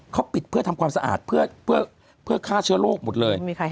เขาปิดเพื่อทำความสะอาดเพื่อฆ่าเชื้อโรคหมดเลย